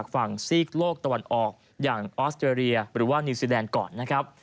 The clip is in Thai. ฝั่งซีกโลกตะวันออกอย่างออสเตรเลียหรือว่านิวซีแดนก่อนนะครับ